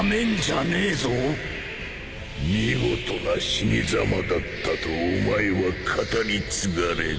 見事な死にざまだったとお前は語り継がれる